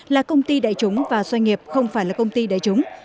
là công ty đại chúng và doanh nghiệp không phải là công ty đại chúng